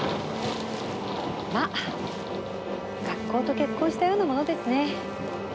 まあ学校と結婚したようなものですね。